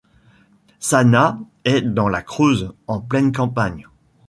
Sannat est dans la Creuse, en pleine campagne.